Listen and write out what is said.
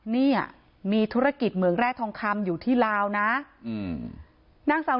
เพราะไม่มีเงินไปกินหรูอยู่สบายแบบสร้างภาพ